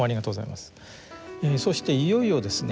そしていよいよですね